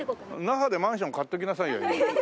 那覇でマンション買っておきなさいよ今。